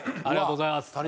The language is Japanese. ありがとうございます。